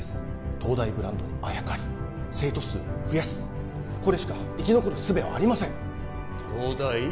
東大ブランドにあやかり生徒数を増やすこれしか生き残るすべはありません東大？